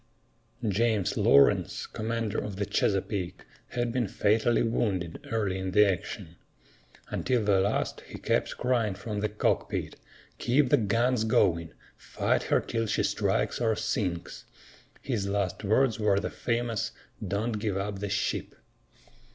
James Lawrence, commander of the Chesapeake, had been fatally wounded early in the action. Until the last, he kept crying from the cockpit, "Keep the guns going! Fight her till she strikes or sinks!" His last words were the famous, "Don't give up the ship!"